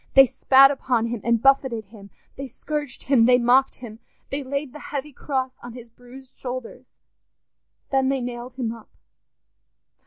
They spat upon him and buffeted him, they scourged him, they mocked him, they laid the heavy cross on his bruised shoulders. Then they nailed him up.